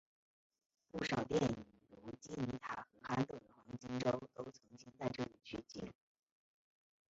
不少电影如尼基塔和憨豆的黄金周都曾经在这里取景。